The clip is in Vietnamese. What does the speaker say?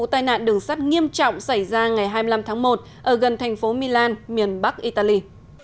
thành phố milan miền bắc italy